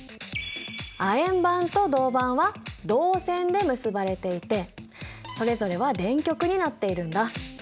亜鉛板と銅板は導線で結ばれていてそれぞれは電極になっているんだ。